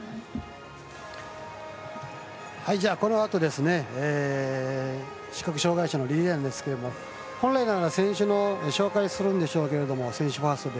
このあと、視覚障がい者のリレーなんですけど本来ならば選手の紹介をするんでしょうけど選手ファーストで。